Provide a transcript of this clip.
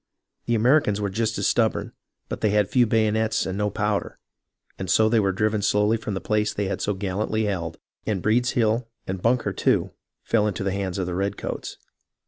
The Americans were just as stubborn, but they had few bayonets and no powder, and so they were driven slowly from the place they had so gallantly held, and Breed's Hill and Bunker too, fell into the hands of the redcoats.